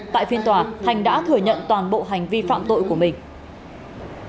tại phiên tòa thành đã thừa nhận toàn bộ hành vi phạm tội của mình